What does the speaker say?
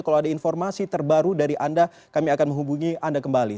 kalau ada informasi terbaru dari anda kami akan menghubungi anda kembali